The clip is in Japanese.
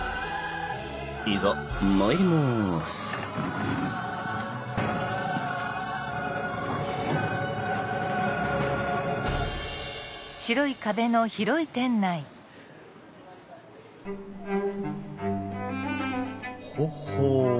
いざ参りますほっほう。